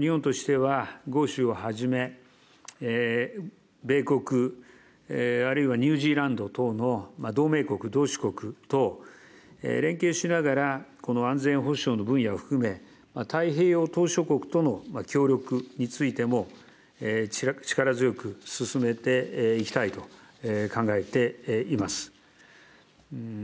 日本としては豪州をはじめ、米国、あるいはニュージーランド等の同盟国、同志国と連携しながら、この安全保障の分野を含め、太平洋島しょ国との協力についても、力強く進めていきたいと考えています。